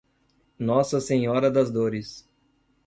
Nossa Senhora das Dores